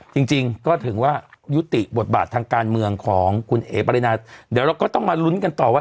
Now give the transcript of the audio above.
จริงจริงก็ถือว่ายุติบทบาททางการเมืองของคุณเอ๋ปรินาเดี๋ยวเราก็ต้องมาลุ้นกันต่อว่า